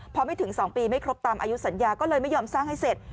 พอไม่ถึง๒ปีไม่ครบตามอายุสัญญาก็เลยไม่ยอมสร้างให้เสร็จ